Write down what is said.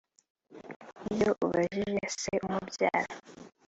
Iyo ubajije se umubyara